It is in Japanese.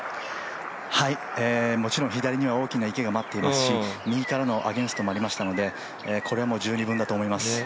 もちろん、左には大きな池が待っていますし右からのアゲンストもありましたのでこれも十二分だと思います。